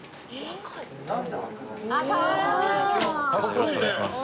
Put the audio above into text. よろしくお願いします。